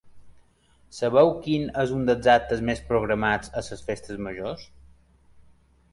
Sabeu quin és un dels actes més programats a les festes majors?